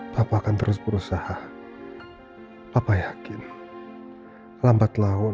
bapak akan terus berusaha papa yakin lambat laun